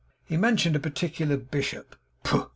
He mentioned a particular bishop. 'Poh!